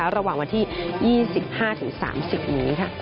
ระหว่างวันที่๒๕๓๐นี้